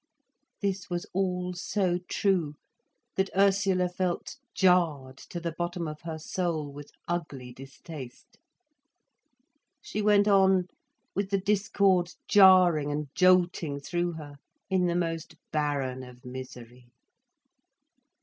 This was all so true, that Ursula felt jarred to the bottom of her soul with ugly distaste. She went on, with the discord jarring and jolting through her, in the most barren of misery.